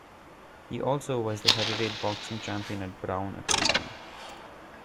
He also was the heavyweight boxing champion at Brown at one time.